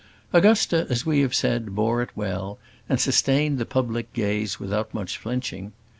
Augusta, as we have said, bore it well, and sustained the public gaze without much flinching.